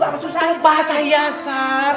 apa susahnya bahasa hiasan